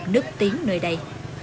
nước tiếng nơi đây